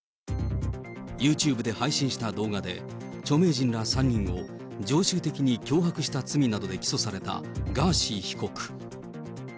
ユーチューブで配信した動画で、著名人ら３人を常習的に脅迫した罪などで起訴されたガーシー被告。